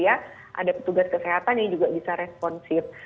ada petugas kesehatan yang juga bisa responsif